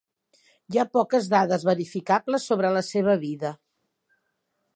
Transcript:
Hi ha poques dades verificables sobre la seva vida.